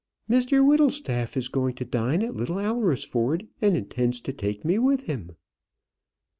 "Mr Whittlestaff is going to dine at Little Alresford, and intends to take me with him."